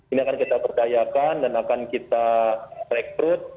ini akan kita perdayakan dan akan kita rekrut